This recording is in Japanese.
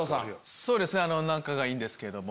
そうですね仲がいいんですけども。